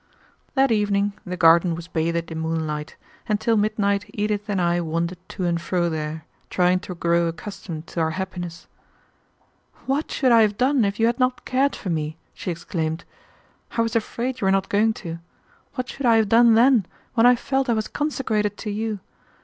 That evening the garden was bathed in moonlight, and till midnight Edith and I wandered to and fro there, trying to grow accustomed to our happiness. "What should I have done if you had not cared for me?" she exclaimed. "I was afraid you were not going to. What should I have done then, when I felt I was consecrated to you!